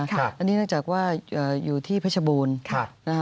อันนี้เนื่องจากว่าอยู่ที่เพชรบูรณ์